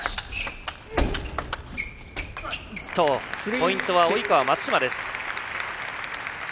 ポイントは及川、松島です。